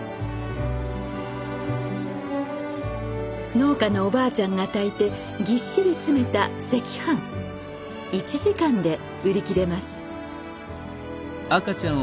農家のおばあちゃんが炊いてぎっしり詰めた赤飯１時間で売り切れます。